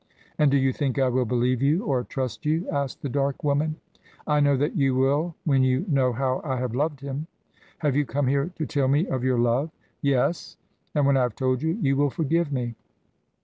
"And do you think I will believe you, or trust you?" asked the dark woman. "I know that you will when you know how I have loved him." "Have you come here to tell me of your love?" "Yes. And when I have told you, you will forgive me."